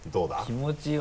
気持ちを。